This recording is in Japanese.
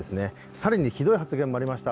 更にひどい発言もありました。